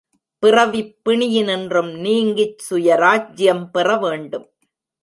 பிறவிப் பிணியினின்றும் நீங்கிச் சுயராஜ்யம் பெற வேண்டும்.